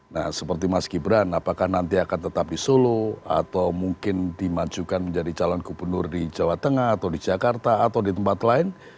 nah seperti mas gibran apakah nanti akan tetap di solo atau mungkin dimajukan menjadi calon gubernur di jawa tengah atau di jakarta atau di tempat lain